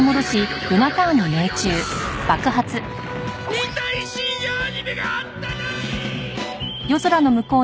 見たい深夜アニメがあったのに！